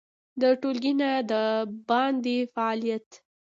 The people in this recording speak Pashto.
د ټولګي نه د باندې فعالیت